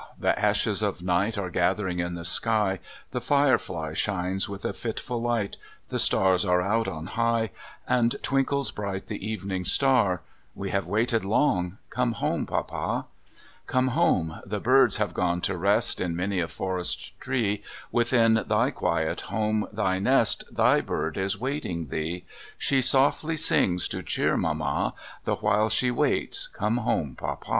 the ashes of ni^ht Are gathering in the sky; The firefly shines with a fitful Hghl, The stars are out on high, And twinkles hright the evening star: We have waited long — come home, papa! Come home! the hirds have gone to rest In many a forest tree; Within thy quiet home, thv nest. Thy bird is waiting thee; She softly sings, to cheer mamma, The while she waits come home, papa!